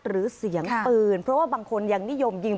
หรือเสียงปืนเพราะว่าบางคนยังนิยมยิง